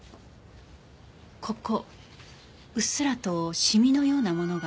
ここうっすらとシミのようなものがありますね。